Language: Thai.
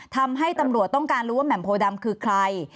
ทำให้ตำรวจต้องการรู้ว่าแหม่มโพดำคือใคร